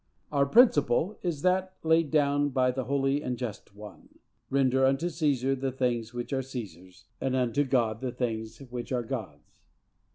Our principle is that laid down by the holy and just One: "Render unto Cæsar the things which are Cæsar's, and unto God the things which are God's."